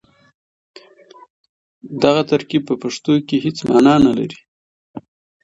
دغه ترکيب په پښتو کې هېڅ مانا نه لري.